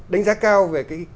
đánh giá cao về